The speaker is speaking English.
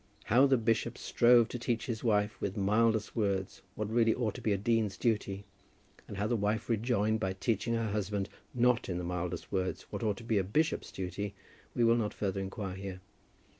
How the bishop strove to teach his wife, with mildest words, what really ought to be a dean's duty, and how the wife rejoined by teaching her husband, not in the mildest words, what ought to be a bishop's duty, we will not further inquire here.